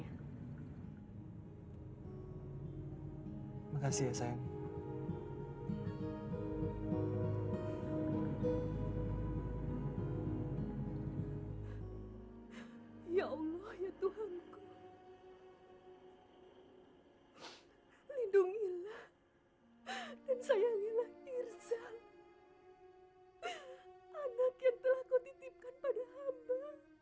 anak yang telah kau titipkan pada hama